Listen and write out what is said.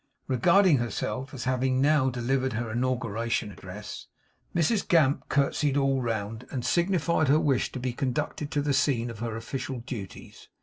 Regarding herself as having now delivered her inauguration address, Mrs Gamp curtseyed all round, and signified her wish to be conducted to the scene of her official duties.